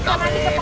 kamu jelaskan itu